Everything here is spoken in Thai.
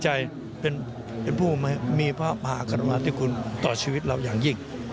จักษันติซึ่งไม่มีอะไรเลยทุกวันนี้